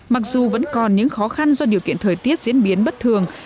mặc dù vẫn còn những khó khăn do điều kiện thời tiết diễn biến bất thường